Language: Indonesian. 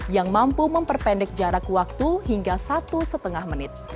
yang mampu memperpendek jarak waktu hingga satu lima menit